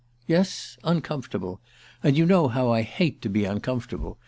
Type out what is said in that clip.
"Yes uncomfortable; and you know how I hate to be uncomfortable!